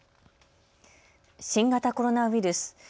新型コロナウイルス。